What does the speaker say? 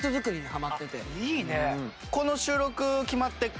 いいね！